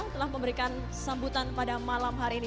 telah memberikan sambutan pada malam hari ini